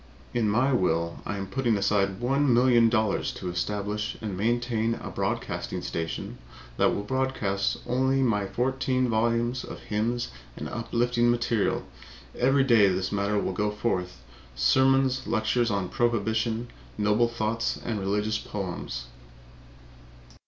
In my will I am putting aside one million dollars to establish and maintain a broadcasting station that will broadcast only my fourteen volumes of hymns and uplifting material. Every day this matter will go forth sermons, lectures on prohibition, noble thoughts and religious poems."